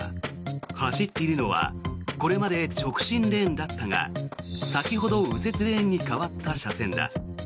走っているのはこれまで直進レーンだったが先ほど右折レーンに変わった車線だ。